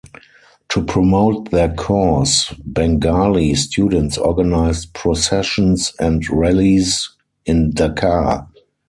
To promote their cause, Bengali students organised processions and rallies in Dhaka.